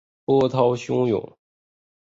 波涛汹涌